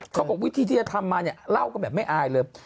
เขาบอกวิธีที่จะทำมาเนี่ยเล่ากันแบบไม่อายเลย